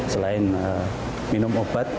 selain minum obat